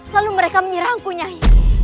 lalu mereka menyerangku nyai